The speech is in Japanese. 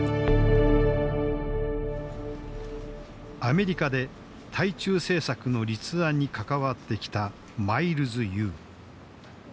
アメリカで対中政策の立案に関わってきた余茂春。